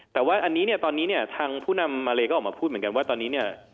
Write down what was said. แต่ว่าอันนี้ตอนนี้ทางผู้นำมาเลก็ออกมาพูดเหมือนกันว่าตอนนี้